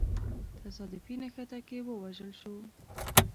تصادفي نښته کي ووژل سو.